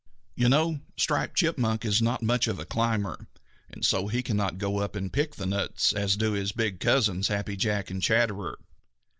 You know Striped Chipmunk is not much of a climber, and so he cannot go up and pick the nuts as do his big cousins, Happy Jack and Chatterer.